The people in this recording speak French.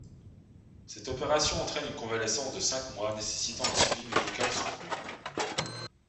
Cette opération entraîne une convalescence de cinq mois, nécessitant un suivi médical soutenu.